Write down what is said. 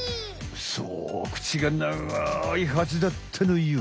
そう口が長いハチだったのよ。